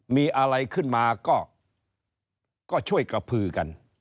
มีอะไรขึ้นมาก็ช่วยกระพือกัน